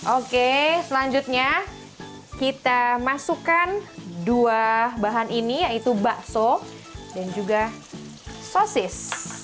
oke selanjutnya kita masukkan dua bahan ini yaitu bakso dan juga sosis